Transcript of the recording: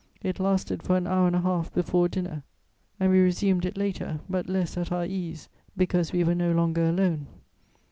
It lasted for an hour and a half before dinner, and we resumed it later, but less at our ease, because we were no longer alone.